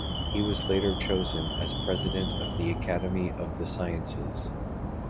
He was later chosen as president of the Academy of the Sciences.